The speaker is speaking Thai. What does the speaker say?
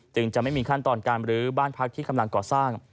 จึงจะไม่มีขั้นตอนการบรื้อบ้านพักที่กำลังก่อสร้าง